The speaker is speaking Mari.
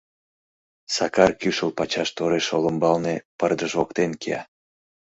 Сакар кӱшыл пачаш тореш олымбалне пырдыж воктен кия.